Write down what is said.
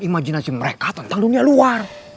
imajinasi mereka tentang dunia luar